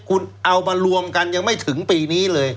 คุณเอามารวมกันยังไม่ถึงปีนี้เลย